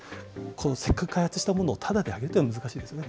このせっかく開発したものをただであげるっていうのは難しいですね。